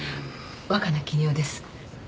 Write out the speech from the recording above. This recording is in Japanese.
若菜絹代です。